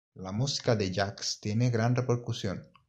La música de Jacques tiene gran repercusión.